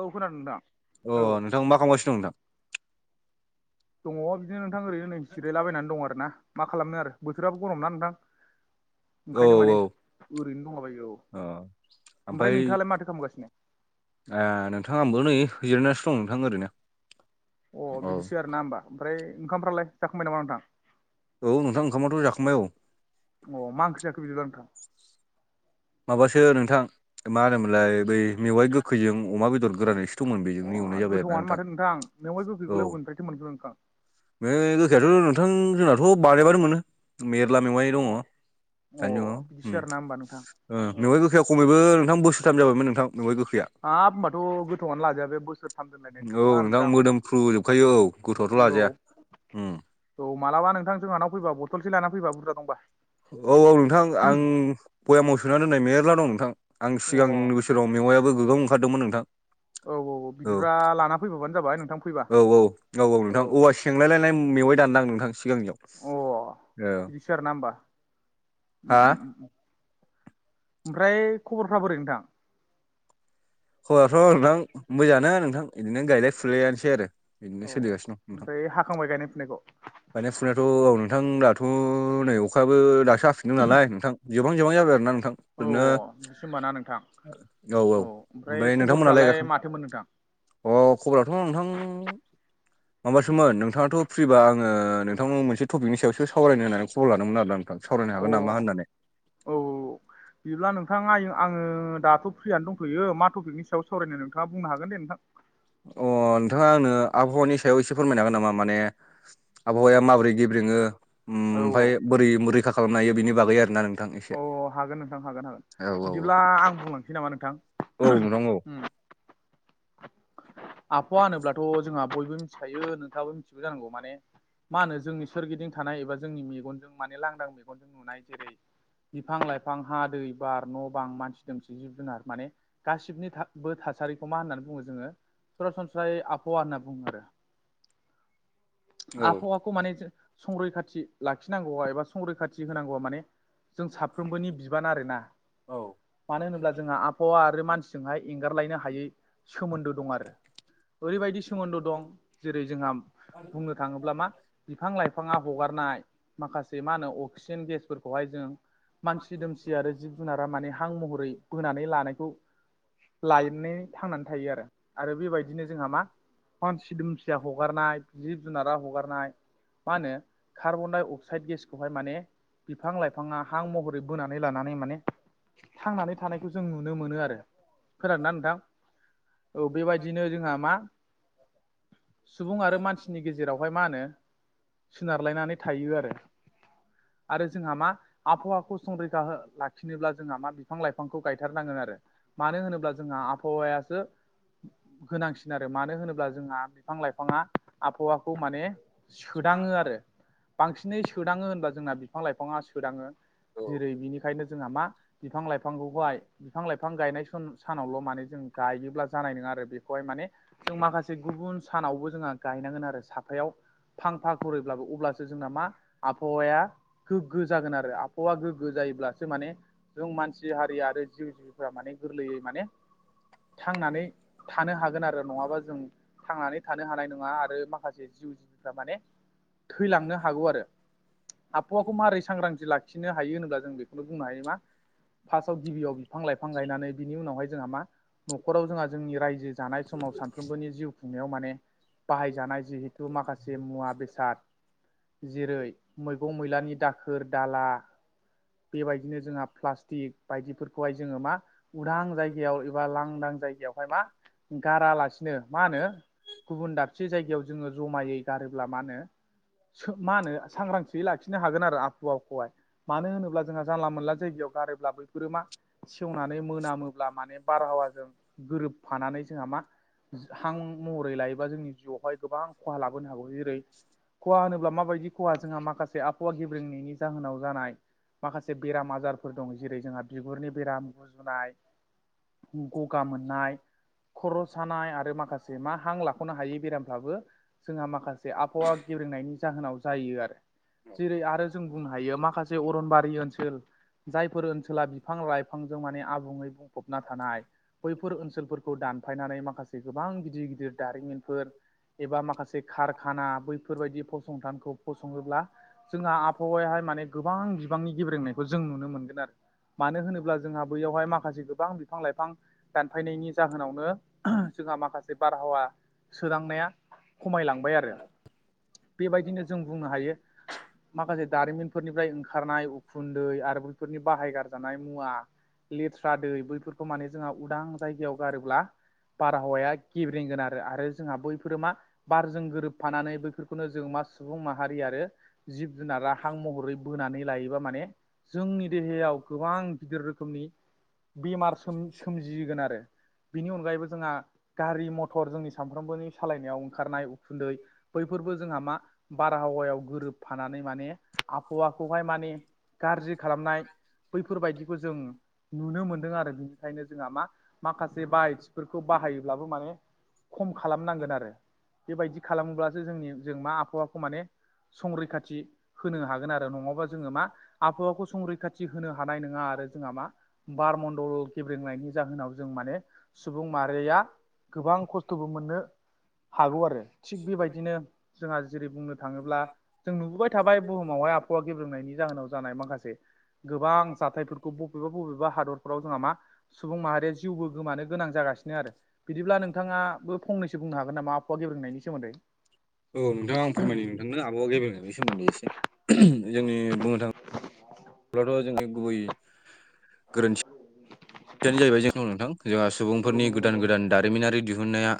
औ खोनादों नोंथां अ औ नोंथां मा खालामगासिनो दं नोंथां? दङ बिदिनो नोंथां ओरैनो ननै जिरायलाबायनानै दङ आरो ना मा खालामनो आरो बोथोराबो गरम ना नोंथां औ ओंखायनो औ माने ओरैनो दंलाबायो औ। अ ओमफ्राय नोंथाङालाय माथो खालामगासिनो? नोंथाङांबो नै होजिरनानैसो दं नोंथां ओरैनो अ औ बिदिसो आर ना होनोमबा ओमफ्राय ओंखामफ्रालाय दा खमाय नामा नोंथां औ नोंथां ओंखामाथ' जाखांबाय औ अ मा ओंखार जाखो बिदिला नोंथां? माबासो नोंथां मा होनोमोनलाय बै मेवाइ गोखैजों अमा बेदर गोरानै अ गोथावआनो माथो नोंथां मवाइबो औ गैखैखौलाय अबेनिफ्रायथो मोनखो नोंथां? बे गोखायथ' नोंथां जोंनाथ' बानायबानो मोनो। मेरला मेवाय अ दङ बिदिसो आरोना [inaudible] होमबा नोंथां। औ नुबाय गोखैया खमैबो नोंथां बोसोरथाम जाबायमोन नोंथां नवाय गोखैया हा होनोमबाथ' गोथावआनो लाजाया बे बोसोर थाम दोनलायनायनि औ खोथा नोंथां मोदोमफ्रु जोबखायो औ गोथौआथ' औ लाजाया उम [inaudible] थ'मालाबा नोंथां जोंनाव फैबा बथलसे लान फै बुरजा दंबा औ औ नोंथां आं बयामाव सोना दोननाय मेरला दं नोंथां आं अ सिगांनोसि सोराव मेवाइाब गोगाव ओंखारदोंमोन नोंथां औ औ बिदिब्ला लाना फैबोबानो जाबाय नोंथां फैबा औ औ औ औ नोंथां औवा सेंलायलायनाय मेवाइ दानदांं नोंथां सिगांनियाव औ सोर ना होमबा उम हा उम उम ओमफ्राय खबरफ्रा बोरै नोंथां? खबराथ' नोंथां मोजाङानो नोंथां बिदिनो गायलाय फुलायानोसै आरो बिदिनो सोलिगासिनो दं नोंथां। खांबाय गायनाय फुनायखौ? गायनाय फुनायाथ' औ नोंथां दाथ' नोय अ खायाबो दासो हफिनदों नालाय नोंथां जबां जबां जाबाय आरो ना नोंथां ओरैनो ए मान नांगौ [inaudible] औ औ ओमफ्राय नोंथांमोनालाय खबरफ्रालाय [inaudible] माथोमोन नोंथां अ खबराथ' नोंथां माबासोमोन नोंथाङाथ' फ्रिबा आं आङो नोंथांनाव मोनसे टपिकनि सायावसो सावरायनो होननानै खबर लादोंमोन आरो नोंथां सावरायनो अ हागोन नामा होननानै औ औ बिदिब्ला नोंथाङा आय आङो दाथ' फ्रियनो दंथ'यो मा टपिकनि सायाव सावरायनो नोंथाङा बुंनो हागोन दे नोंथां। अ नोंथाङा आंनो आबहावानि सायाव एसे फोरमायनो हागोन नामा माने आबहावाया माबोरै औ गेब्रेङोओमफ्राय बोरै रैखा खालामनो हायो बिनि बागै आरो ना नोंथां एसे अ हागोन नोंथां हागोन औ हागोन औ बिदिब्ला आं बुंलांसै नामा नोंथां औ नोंथां औ उम आफफावा होनोब्लाथ' जोंहा बयबो मिथिखायो नोंथाङाबो मिथियो जानांगौ माने मा होनो जोंनि सोरगिदिं थानाय एबा जोंनि मेगनजों माने लांदां मेगनजों नुनाय जेरै बिफां लाइफां हा दै बार न' बां मानसि दोमसि जिब जुनार माने गासिबनि था बो थासारिखौ मा होननानै बुङो जोङो सरासनस्रायै आबहावा होनना बुङो आरो औ आफहावा खौ माने जो संरैखाथि लाखिनांगौआ एबा संरैखाथि होनांगौआ माने जों साफ्रोमबोनि बिबान आरोना औ मानो होनोब्ला जोंहा आब फावा आरो मानसिजोंहाय एंगारलायनो हायै सोमोन्दो दं आरो ओरैबायदि सोमोन्दो दं जेरै जोंहा बुंनो थांङोब्ला मा बिफां लाइफाङा हगारनाय माखासे मा होनो अक्सिजेन गेसफोरखौहाय जों मानसि दोमसि आरो जिब जुनारा माने हां महरै बोनानै लानायखौ लायोननि थांनानै थायो आरो आरो बेबायद दिनो जोंहा मा फानसि दुमसिया हगारनाय जिब जुनारा हगारनाय मा होनो खार्बन डाइ अक्साइद गेसखौहाय माने बिफां लाइफाङा हां महरै बोनानै लानानै माने थांनानै थानायखौ जों नुनो मोनो आरो खोनादों ना नोंथां औ बेबाय दिनो जोंहा मा सुबुं आरो मानसिनि गेजेर जेरावहाय मा होनो सोनारलायनानै थायो आरो आरो जोंहा मा आबहावाखौ संरैखा हो लाखिनोब्ला जोंहा मा बिफां लाइफांखौ गायथारनांगोन आरो मानो होनोब्ला जोंहा आबहावायासो गोनांसिन आरो मानो होनोब्ला जोंहा बिफां लाइफाङा आबहावाखौ माने सोदाङो आरो बांसिनै सोदाङो होनब्ला जोंना बिफां लाइफाङा सोदाङो। औ जेरै बिनिखायनो जोंहा मा बिफां लाइफांगौहाय बिफां लाइफां बिफां गायनाय सन सानावल' माने जों गायोब्ला जानाय नोङा आरो बेखौहाय माने जों माखासे गुबनस सानावबो जोंहा गायनांगोन आरो साफायाव फांफा खुरिब्लाबो अब्लासो जोंना मा आबहावाया खो गो जागोन आरो आबहावा गोग्गो जायोब्लासो माने जों मानसि हारि आरो जिउ जिबिफोरा माने गोरलैयै माने थांनानै थानो हागोन आरो नङाबा जों थांनानै थानो हानाय नङा आरो माख माखासे जिउ जिबिफ्रा माने थैलांनो हागौ आरो आबहावाखौ मारै सांग्रांथि लाखिनो हायो होनोब्ला जों बेखौनो बुंनो हायो मा फास्टआव गिबियाव बिफां लाइफां गायनानै बिनि उनावहाय जोंहा मा न'खराव जोंहा नि रायजो जानाय समाव सानफ्रोमबोनि जिउ खुंनायाव माने बाहाय जानाय जि जु माखासे मुवा बेसाद जेरै मैगं मैलानि दाखोर दाला बेबायदिनो जोंहा प्लास्टिक बायदिफोरखौहाय जोङो मा उरान जायगायाव एबा लांदां जायगायाव एबा गारालासिनो मा होनो गुबुन दाबसे जायगायाव जोङो जमायै गारोब्ला मा होनो सो मा होनो सांग्रांथियै लाखिनो हागोन आरो आबहावाखोहाय मानो होनोब्ला जोंहा जानला मोनला जायगायाव गारोब्ला बैफोरो मा सेवनानै मोनामोब्ला माने बारहावाजों गोरोबफानानै जोंहा मा जो हां महरै लायोबा जोंनि जिउआवहाय गोबां खहा लाबोनो हागौ जेरै खहा होनोब्ला माबायदि खहा जोंहा माखासे आब खहा गेब्रेंनायनि जाहोनाव जानाय माखासे बेराम आजारफोर दं जेरै जोंहा बिगुरनि बेराम गुजुनाय खु ग गा मोननाय खर' सानाय आरो माखासे मा हां लाख ख'नो हायै बेरामफ्राबो जोंहा माखासे आबहावा गेब्रेंनायनि जाहोनाव जायो आरो जेरै आरो जों बुंनो हायो माखासे अरनबारि ओनसोल जायफोर ओनसोला बिफां लाइफांजों माने आबुङै बुंफबना थानाय। बैफोर ओनसोलफोरखौ दानफायनानै माखासे गोबां गि दिर गिदिर दारिमिनफोर एबा माखासे कारखाना बै फोरबायदि फसंथानखौ फसङोब्ला जोंहा आबहावायाहाय माने गोबां बिबांनि गेब्रेंनायखौ जों नुनो मोनगोन आरो। मानो होनोब्ला जोंहा बैयावहाय माखासे गोबां बिफां लाइफां दानफायनायनि जाहोनावनो जोंहा माखासे बारहावा सोदांनाया खमायलांबाय आरो। बेबायदिनो जों बुंनो हायो माखासे दारिमिनफोरनिफ्राय ओंखारनाय उखुन्दै आरो फोरनि बाहायगारजानाय मुवा लेथ्रा दै बैफोरखौ माने जोंहा उदां जायगायाव गारोब्ला बारहावाया गेब्रेंगोन आरो आरो जोंहा बैफोरो मा बारजों गोरोबफानानै बैफोरखौनो जों मा सुबुं माहारि आरो जिब जुनारा हां महरै बोनानै लायोबा माने जोंनि देहायाव गोबां गिदिर रोखोमनि बेमार सोम सोमजिगोन आरो। बिनि अनगायैबो जोंहा गारि मथर जोंनि सामफ्रोमबोनि सालायनायाव ओंखारनाय उखुन्दै बैफोरबो जोंहा मा बारहावायाव गोरोबफानानै माने आबहाव आखौहाय माने गाज्रि खालामनाय बैफोरबायदिखौ जों नुनो मोनदों आरो। बिनि खायनो जोंहा मा माखासे बाहायथिफोरखौ बाहायोब्लाबो माने खम खालामनांगोन आरो। बेबायदि खालाम्लासो जोंनि जों मा आबहावाखौ माने संरैखाथि होनो हागोन आरो नङाबा जोङो मा आबहावाखौ संरैखाथि होनो हानाय नङा आरो जोंहा मा बारमण्डल ब्रेंनायनि जाहोनाव जों माने सुबुं माहारिया गोबां खस्थ'बो मोननोज्ञ हागौ आरो थिग बेबायदिनो जोंहा जेरै बुंनो थाङोब्ला जों नुबोबाय थाबाय बुहुमावहाय आबहावा गेब्रोंनायनि जाहोनाव जानाय माखासे गोबां जाथायफोरखौ बबेबा बबेबा हादरफ्राव जोंहा मा सुबुं माहारिया जिउबो गोमानो गोनां जागासिनो आरो। बिदिब्ला नोंथाङा बो फंनैसो बुंनो हागोन नामा आबहावा गेब्रेंनायनि सोमोन्दै? औ नोंथां आं फोरमायो नोंथांनो आबहावा गेब्रेंनायनायनि सोमोन्दै एसे। जोंनि बुंनो थाङो जोंनि गुबै गोरोन्थि दियानो जाहैबाय जोंनाव नोंथां जोंहा औ सुबुंफोरनि नंगौ गोदान नंगौ गोदान दारिमिनारि दिहुनन्नाया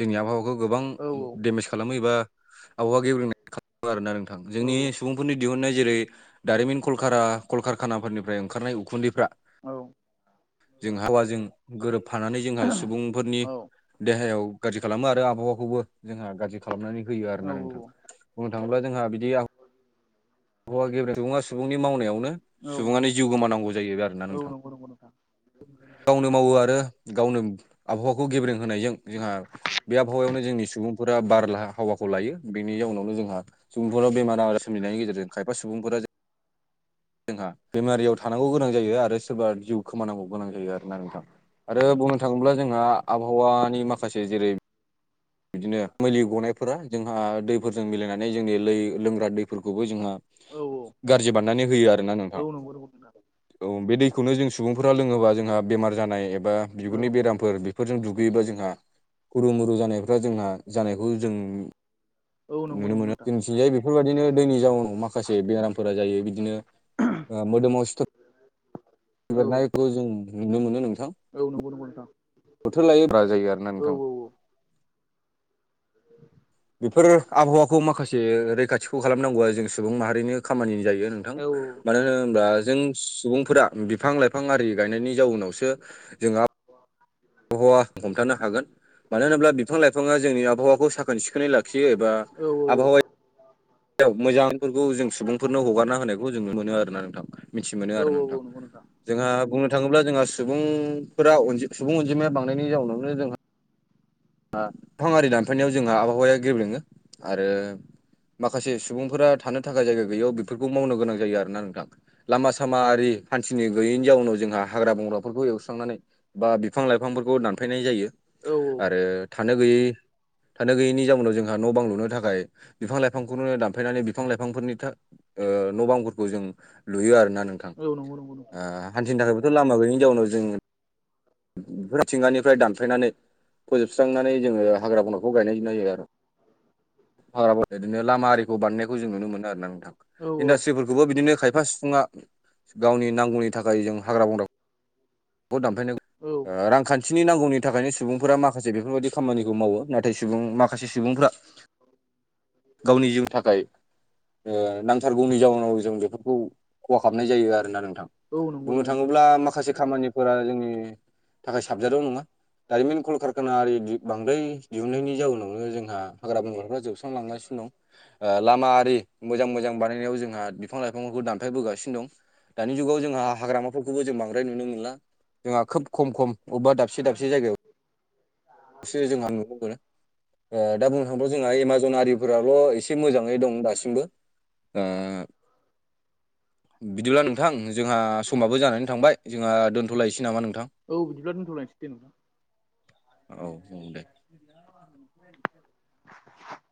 जोंनि आबहावाखौ गोबां औ डेमेज खालामो एबा आबहावा गेब्रेंनाय खालामो आरोना नोंथां। औ जोंनि सुबुंफोरनि दिहुननाय जेरै दारिमिन कलकारा कलकारखानाफोरनिफ्राय ओंखारनाय उखुन्दैफ्रा औ। जों आबहाबाजों गोरोबफानानै जोंहा सुबुंफोरनि देहायाव गाज्रि खालामो आरो आबहावाखौबो जोंहा गाज्रि खालामनानै होयो औ आरोना नोंथां। बुंनो थाङोब्ला जोंहा बिदि आ हावा गेब्रेंनाय, सुबुङा सुबुंनि मावनायावनो औ सुबुङानो जिउ गोमानांगौ जायो आरो ना औ नोंथां। नंगौ नंगौ नोंथां गावनो मावो आरो गावनो आबहावाखौ गेब्रें होनायजों जोंहा बे आबहावायावनो जोंनि सुबुंफोरा बारला हावाखौ लायो बेनि जाउनावनो जोंहा सुबुंफोराव बेमार आजार सोमजनायनि गेजेरजों खायफा सुबुंफोरा जोंहा बेमारियाव थानांगौ गोनां जायो आरो सोरबा जिउ खोमानांगौ गोनां जायो आरोना नोंथां। आरो बुंनो थाङोब्ला जोंहा आबहावानि माखासे जेरै बिदिनो मोलि गनायफोरा जोंहा दैफोरजों मिलायनानै जोंनि लै लोंग्रा दैफोरखौबो जोंहा औ गाज्रि बानायनानै होयो आरोना नोंथां। औ नंगौ नंगौ नोंथां औ बे दैखौनो जों सुबुंफोरा लोङोबा जोंहा बेमार जानाय एबा औ बिगुरनि बेरामफोर बे फोरजों दुगैयोबा जोंहा खुरु मुरु जानायफ्रा जोंहा जानायखौ जों औ नंगौ नुनो नंगौ मोनो नोंथां जोंनिथिंजाय बेफोरबायदिनो दैनि जाउनाव माखासे बेरामफोरा जायो। बिदिनो मोदोमाव सिथर औ बेरनायखौ जों नुनो मोनो नोंथां। औ नंगौ नंगौ नोंथां बोथोर लायो ब्रा जायो आरो ना औ नोंथां [inaudible] बेफोर आबहावाखौ माखासे रैखाथिखौ खालामनांगौआ जों सुबुं माहारिनि खामानि जायो। थां औ मानो होनोब्ला जों सुबुंफोरा बिफां लाइफां आरि गायनायनि जाउनावसो जोंहा आबहावा हमथानो हागोन मानो होनोब्ला बिफां लाइफाङा जोंनि आबहावखौ साख साखोन सिखोनै लाखियो एबा औ आबहावा मोजांफोरखौ जों सुबुंफोरनो हगारना होनायखौ जों नुनो मोनो आरोना नोंथां मिथि मोनो औ आरोना नोंथां औ नंगौ जोंहा बुंनो थाङोब्ला जोंहा सुबुंफोरा सुबुं अनजिमाया बांनायनि जाउनावनो जोंहा फां आरि दानफायनायाव जोंहा आबहावाया गेब्रेङो आरो माखासे सुबुंफोरा थानो थाखाय जायगा गैयैयाव बेफोरखौ मावनो गोनां जायो आरोना नोंथां लामा सामा आरि हान्थिनो गैयैनि जाउनाव जोंहा हाग्रा बंग्राफोरखौ एवस्रांनानै बा बिफां लाइफांफोरखौ दानफायनाय जायो। औ औ थानो गैयै थानो गैयैनि जाउनाव जोंहा न' बां लुनो थाखाय बिफां लाइफांखौनो दानफायनानै बिफां लाइफांफोरनि न' बांफोरखौ जों लुयो आरोना नोंथां औ नंगौ नंगौ नोंथां हान्थिनो थाखायबोथ' लामा गैयिनि जाउनाव जों बेफोर मिथिंगानिफ्राय दानफायनानै फोजोबस्रांनानै जोङो हाग्रा बंग्रा खौ गायनाय जायो आरो हाग्रा बंग्रा बिदिनो लामा आरिखौ बानायनायखौ जों नुनो मोनो आरो ना नोंथां औ इन्डासट्रिफोरखौबो बिदिनो खायफा सिबुङा गावनि गावनि नांगौनि थाखाय जों हाग्रा बंग्रा दानफायनो औ रांखान्थिनि नांगौनि थाखायनो सुबुंफोरा माख माखासे बेफोरबायदि खामानिखौ मावो नाथाय सुबुं माखासे सुबुंफ्रा गावनि जिउनि थाखाय नांथारगौनि जाउनाव जों बेफोरखौ खहा खालामनाय जायो आरोना नोंथां औ नंगौ बुंनो नंगौ नोंथां थाङोब्ला माखासे खामानिफोरा जोंनि थाखाय साबजादाव नङा दारिमिन कलकारखानाआरि बांद्राय दिहुननायनि जाउनावनो जोंहा हाग्रा बंग्राफ्रा जोबस्रांलांगासिनो दं लामाआरि मोजां मोजां बानायनायाव जोंहा बिफां लाइफांफोरखौ दानफायबोगासिनो दं दानि जुगाव जोंहा हाग्रामाफोरखौबो जों बांद्राराय नुनो मोनला। जोंहा खोब खम खम अबेबा दाबसे दाबसे जायगायाव सो जोंहा नुनो मोनो दा बुंनो थांङोबा जोंहा एमाजन आरिफोराल' एसे मोजाङै दं दासिमबो बिदिब्ला नोंथां जोंहा समाबो जानानै थांबाय जोंहा दोन्थ'लायनोसै नामा नोंथां औ बिदिब्ला दथ'लनोसै दे नोंथा। औ औ दे [inaudible] [inaudible]